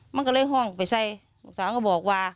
มันก็เลยห้องไปใส่ลูกสาวก็บอกว่า